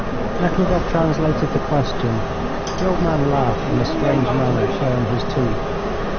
Nekhludoff translated the question. The old man laughed in a strange manner, showing his teeth.